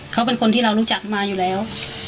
เขาเป็นคนที่เรารู้จักมาอยู่แล้ว